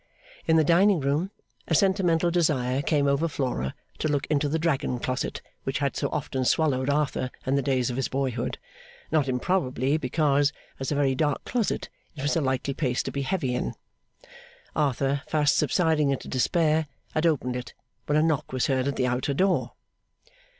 In the dining room, a sentimental desire came over Flora to look into the dragon closet which had so often swallowed Arthur in the days of his boyhood not improbably because, as a very dark closet, it was a likely place to be heavy in. Arthur, fast subsiding into despair, had opened it, when a knock was heard at the outer door.